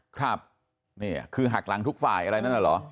ครับคือหักหลังทุกฝ่ายอะไรนั่นหรอ